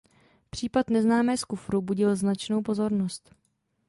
Případ neznámé z kufru budil značnou pozornost.